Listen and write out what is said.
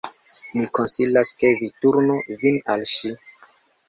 Mi konsilas ke vi turnu vin al ŝi."